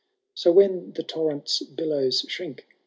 So when the torrent^s billows shrink.